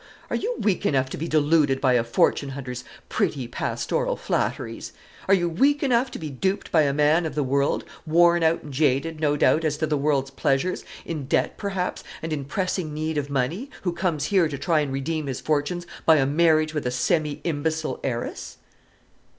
are you weak enough to be deluded by a fortune hunter's pretty pastoral flatteries? Are you weak enough to be duped by a man of the world, worn out and jaded, no doubt, as to the world's pleasures in debt perhaps, and in pressing need of money, who comes here to try and redeem his fortunes by a marriage with a semi imbecile heiress?"